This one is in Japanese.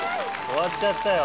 終わっちゃったよ